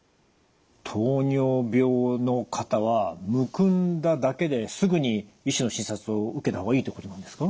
糖尿病の方はむくんだだけですぐに医師の診察を受けた方がいいってことなんですか？